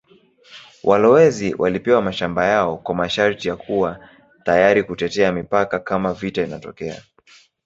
Walowezi walipewa mashamba yao kwa masharti ya kuwa tayari kutetea mipaka kama vita inatokea.